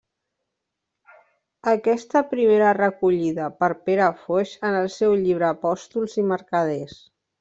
Aquesta primera recollida per Pere Foix en el seu llibre Apòstols i mercaders.